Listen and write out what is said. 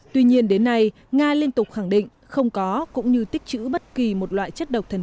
tuy nhiên đến nay nga liên tục khẳng định không có cũng như tích chữ bất kỳ một loại chất độc thần nào